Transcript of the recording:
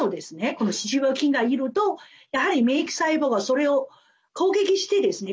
この歯周病菌がいるとやはり免疫細胞がそれを攻撃してですね